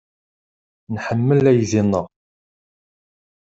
Nḥemmel aydi-nneɣ.